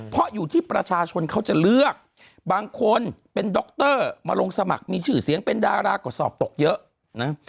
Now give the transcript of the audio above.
เพราะอยู่ที่ประชาชนเขาจะเลือกบางคนเป็นดรมาลงสมัครมีชื่อเสียงเป็นดาราก็สอบตกเยอะนะ